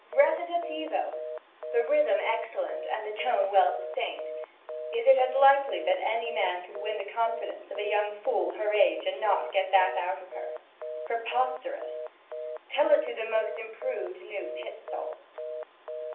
'Recitativo the rhythm excellent, and the tone well sustained. Is it likely that any man could win the confidence of a young fool her age, and not get that out of her? Preposterous! Tell it to the most improved new pit stalls.'